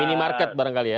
mini market barangkali ya